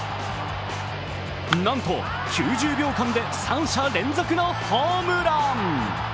なんと９０秒間で三者連続のホームラン。